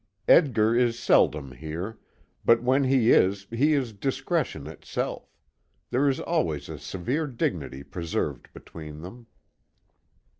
Edgar is seldom here, but when he is, he is discretion itself. There is always a severe dignity preserved between them.